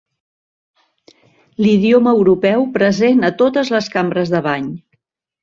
L'idioma europeu present a totes les cambres de bany.